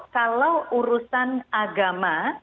kalau urusan agama